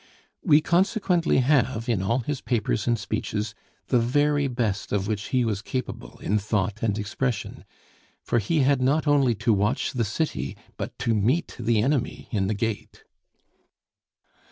We consequently have, in all his papers and speeches, the very best of which he was capable in thought and expression, for he had not only to watch the city but to meet the enemy in the gate.